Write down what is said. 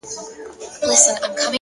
ارام ذهن غوره پرېکړې کوي!.